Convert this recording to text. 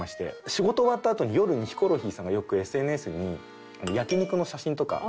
仕事終わったあとに夜にヒコロヒーさんがよくＳＮＳに焼き肉の写真とか上げてる。